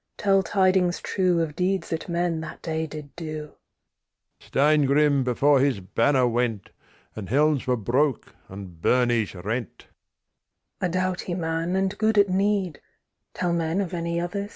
Tell tidings true Of deeds that men that day did do. THE RAVEN Steingrim before his banner went, And helms were broke and byrnies rent. THE KING'S DAUGHTER A doughty man and good at need; Tell men of any other's deed?